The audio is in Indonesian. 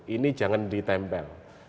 ini jangan ditempel